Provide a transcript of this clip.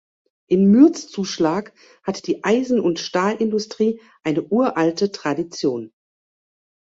In Mürzzuschlag hat die Eisen- und Stahlindustrie eine uralte Tradition.